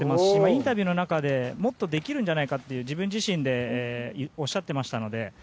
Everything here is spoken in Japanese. インタビューの中でもっとできるんじゃないかと自分自身でおっしゃってましたので。